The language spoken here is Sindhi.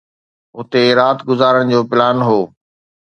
اتي رات گذارڻ جو پلان هو.